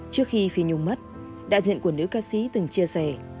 trước khi phi nhung mất đại diện của nữ ca sĩ từng chia sẻ